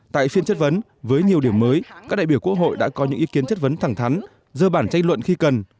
tại phiên chất vấn với nhiều điểm mới các đại biểu quốc hội đã có những ý kiến chất vấn thẳng thắn dơ bản tranh luận khi cần